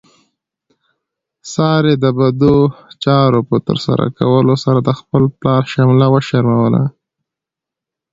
سارې د بدو چارو په ترسره کولو سره د خپل پلار شمله وشرموله.